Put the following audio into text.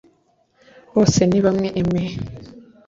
Bosenibamwe Aime